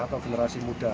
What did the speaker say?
atau generasi muda